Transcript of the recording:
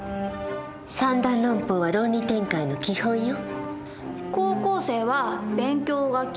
三段論法は論理展開の基本よ。